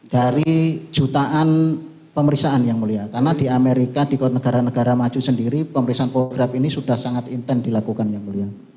dari jutaan pemeriksaan yang mulia karena di amerika di negara negara maju sendiri pemeriksaan poligraf ini sudah sangat intens dilakukan yang mulia